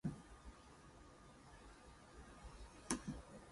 The best planting season is in the Spring.